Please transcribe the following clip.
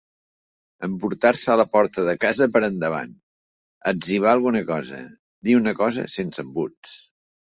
Emportar-se la porta de casa per endavant; etzibar alguna cosa; dir una cosa sense embuts.